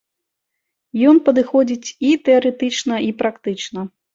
Ён падыходзіць і тэарэтычна, і практычна.